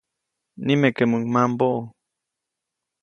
Nimekeʼmuŋ mambäʼu.